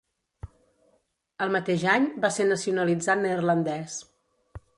El mateix any va ser nacionalitzat neerlandès.